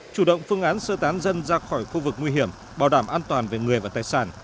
chủ động phương án sơ tán dân ra khỏi khu vực nguy hiểm bảo đảm an toàn về người và tài sản